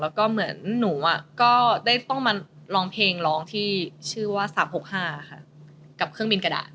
เราก็เหมือนหนูก็ได้ต้องมันร้องเพลงร้องที่เข้าช่วงมาที่๓๖๕กับเครื่องบินกะดะ